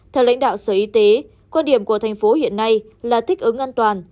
theo lãnh đạo sở y tế quan điểm của thành phố hiện nay là thích ứng an toàn